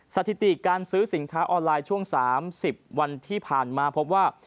สถิติการซื้อสินค้าออนไลน์ช่วง๓๐วันที่ผ่านมาพบว่า